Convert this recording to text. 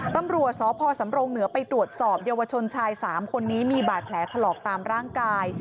ตำรวจสพสำรงเหนือไปตรวจสอบเยาวชนชาย๓คนนี้มีบาดแผลถลอกตามร่างกาย